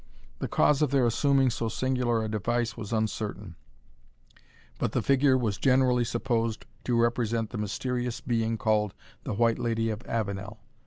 The cause of their assuming so singular a device was uncertain, but the figure was generally supposed to represent the mysterious being called the White Lady of Avenel.